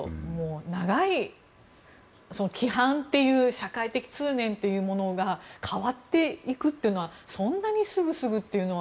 長い規範という社会的通念というものが変わっていくというのはそんなにすぐというのは。